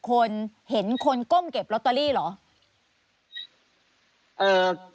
คนเห็นคนก้มเก็บลอตเตอรี่เหรอ